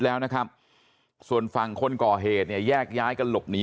แล้วนะครับส่วนฝั่งคนก่อเหตุเนี่ยแยกย้ายกันหลบหนี